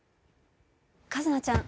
一菜ちゃん